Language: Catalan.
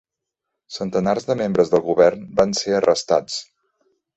Centenars de membres del govern van ser arrestats.